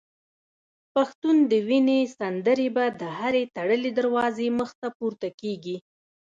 پښتون د وینو سندري به د هري تړلي دروازې مخته پورته کیږي